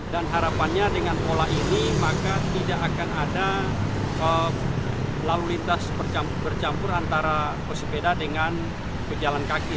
dan harapannya dengan pola ini maka tidak akan ada lalu lintas bercampur antara pesepeda dengan pejalan kaki